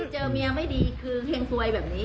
เจอเมียไม่ดีคือเฮงซวยแบบนี้